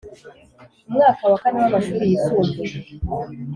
umwaka wa kane w’amashuri yisumbuye,